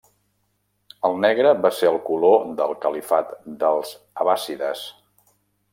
El negre va ser el color del Califat dels Abbàssides.